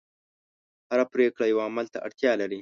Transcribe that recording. هره پرېکړه یوه عمل ته اړتیا لري.